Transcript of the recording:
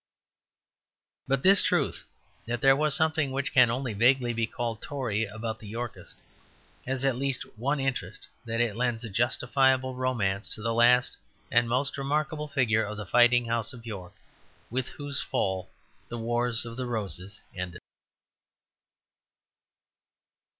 But this truth, that there was something which can only vaguely be called Tory about the Yorkists, has at least one interest, that it lends a justifiable romance to the last and most remarkable figure of the fighting House of York, with whose fall the Wars of the Roses ended.